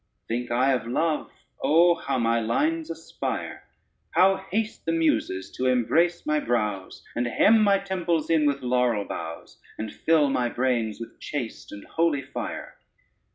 Think I of love, oh, how my lines aspire! How haste the Muses to embrace my brows, And hem my temples in with laurel boughs, And fill my brains with chaste and holy fire!